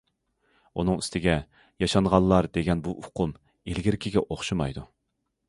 ئۇنىڭ ئۈستىگە، ياشانغانلار دېگەن بۇ ئۇقۇم ئىلگىرىكىگە ئوخشىمايدۇ.